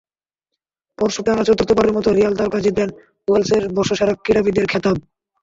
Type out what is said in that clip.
পরশু টানা চতুর্থবারের মতো রিয়াল তারকা জিতলেন ওয়েলসের বর্ষসেরা ক্রীড়াবিদের খেতাব।